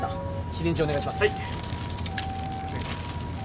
お願いします。